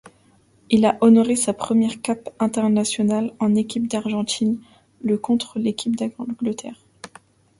Il a honoré sa première cape internationale en équipe d'Argentine le contre l'équipe d'Angleterre.